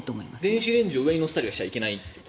電子レンジを上に置いたりしてはいけない？